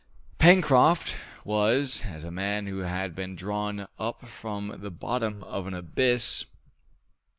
Pencroft was as a man who has been drawn up from the bottom of an abyss.